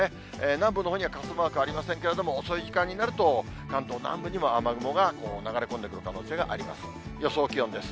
南部のほうには傘マークありませんけれども、遅い時間になると、関東南部にも雨雲が流れ込んでくる可能性があります。